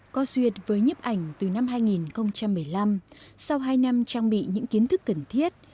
có duyệt với nhấp ảnh từ năm hai nghìn một mươi năm sau hai năm trang bị những kiến thức cần thiết